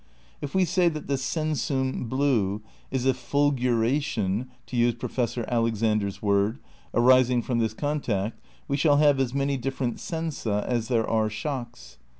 If we say that the "sensum blue" is a "fulguration" ^ (to use Professor Alexander's word), arising from this contact we s)iall have as many different sensa as there are shocks.